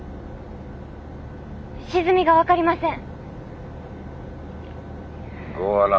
沈みが分かりません。